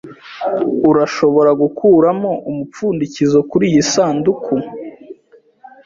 Urashobora gukuramo umupfundikizo kuriyi sanduku?